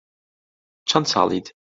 چەند ساڵیت؟